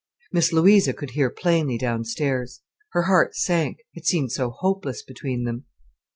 Miss Louisa could hear plainly downstairs. Her heart sank. It seemed so hopeless between them.